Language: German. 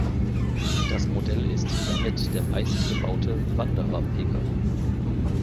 Das Modell ist damit der meist gebaute Wanderer-Pkw.